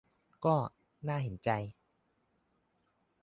ก็ "น่าเห็นใจ"